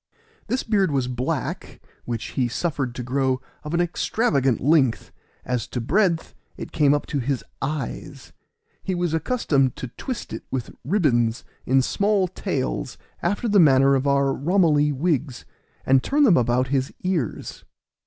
This beard was black, which he suffered to grow of an extravagant length; as to breadth, it came up to his eyes. He was accustomed to twist it with ribbons, in small tails, after the manner of our Ramilie wigs, and turn them about his ears.